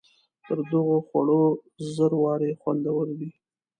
تر دغو خوړو زر وارې خوندور دی.